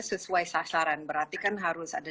sesuai sasaran berarti kan harus ada